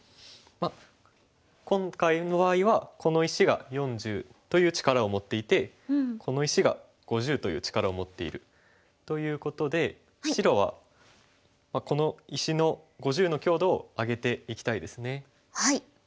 まあ今回の場合はこの石が４０という力を持っていてこの石が５０という力を持っているということで白はこの石の５０の強度を上げていきたいですね。